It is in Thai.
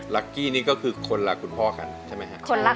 กี้นี่ก็คือคนรักคุณพ่อกันใช่ไหมครับ